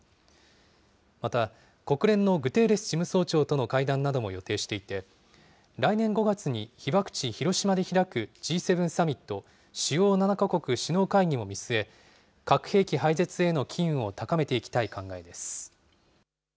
また、国連のグテーレス事務総長との会談なども予定していて、来年５月に被爆地、広島で開くＧ７サミット・主要７か国首脳会議も見据え、核兵器廃絶への機運を高めていきたい考えです。